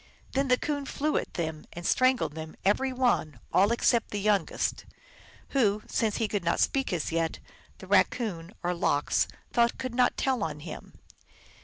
Then the Coon flew at them and strangled them every one, all except the youngest, who, since he could not speak as yet, the Raccoon, or Lox, thought could not tell of him.